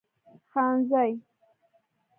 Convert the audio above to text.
خانزۍ